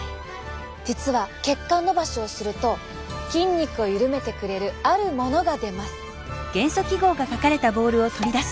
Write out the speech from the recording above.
実は血管のばしをすると筋肉を緩めてくれるあるものが出ます。